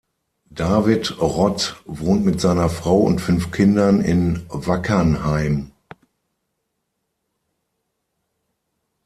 David Rott wohnt mit seiner Frau und fünf Kindern in Wackernheim.